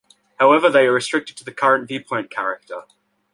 However, they are restricted to the current viewpoint character.